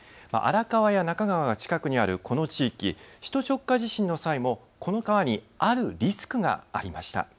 荒川や中川が近くにあるこの地域首都直下地震の際もこの川にあるリスクがありました。